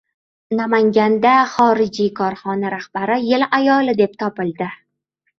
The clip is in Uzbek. Namanganda xorijiy korxona rahbari “Yil ayoli” deb topildi